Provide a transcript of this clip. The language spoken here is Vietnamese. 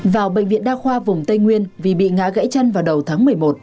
vào bệnh viện đa khoa vùng tây nguyên vì bị ngã gãy chân vào đầu tháng một mươi một